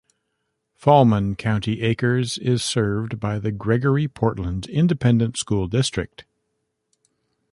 Falman-County Acres is served by the Gregory-Portland Independent School District.